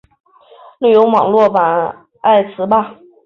另有网络版爱词霸。